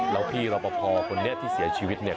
แล้วพี่รอปภคนนี้ที่เสียชีวิตเนี่ย